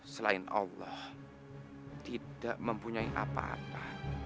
selain allah tidak mempunyai apa apa